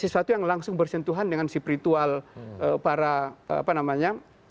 sesuatu yang langsung bersentuhan dengan spiritual para apa namanya